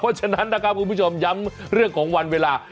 เพราะฉะนั้นนะครับคุณผู้ชมย้ำเรื่องของวันเวลา